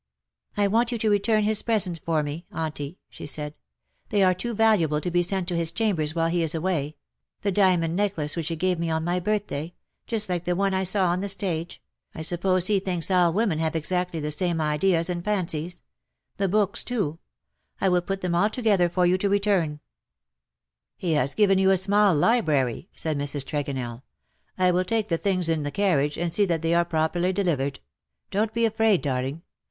" I want you to return his presents for me, Auntie/' she said. '^ They are too valuable to be sent to his chambers while he is away — the diamond necklace which he gave me on my birthday — just like that one T saw on the stage — I suppose he thinks all women have exactly the same ideas and fancies — the books too — I will put them all together for you to return/' '^ He has given you a small library,'' said Mrs. Tregonell. " I will take the things in the carriage. MY GOOD DAYS ARE DONE." 19 and see that they are properly delivered. Don^t be afraid, darling.